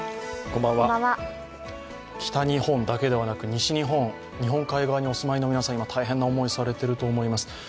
北日本だけではなく、西日本、日本海側にお住まいの皆さん、今、大変な思いをされていると思います。